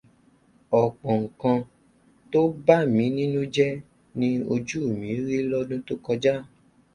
Ọ̀pọ̀ nnkan tó bàmí nínú jẹ́ ni ojú mi rí lọ́dún tó kọjá.